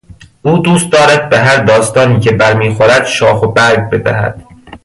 او دوست دارد به هر داستانی که برمیخورد شاخ و برگ بدهد.